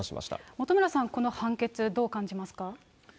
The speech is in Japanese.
本村さん、この判決どう感じますか。